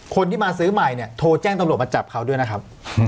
คนที่มาซื้อใหม่เนี่ยโทรแจ้งตำรวจมาจับเขาด้วยนะครับ